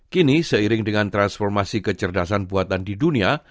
kini seiring dengan transformasi kecerdasan buatan di dunia